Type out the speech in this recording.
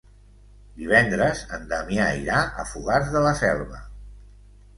Divendres en Damià irà a Fogars de la Selva.